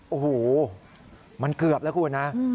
โอ้โหมันเกือบแล้วคุณนะ